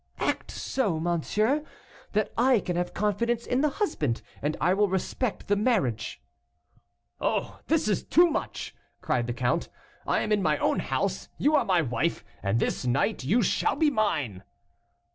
"Act so, monsieur, that I can have confidence in the husband, and I will respect the marriage." "Oh! this is too much!" cried the count. "I am in my own house, you are my wife, and this night you shall be mine."